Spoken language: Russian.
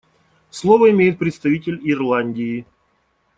Слово имеет представитель Ирландии.